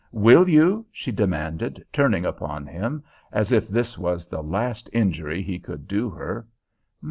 "Will you?" she demanded, turning upon him as if this was the last injury he could do her.